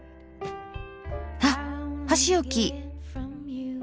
あっ箸置き。